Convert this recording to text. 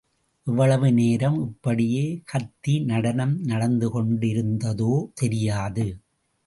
எவ்வளவு நேரம் இப்படியே கத்தி நடனம் நடந்துகொண்டிருந்ததோ தெரியாது.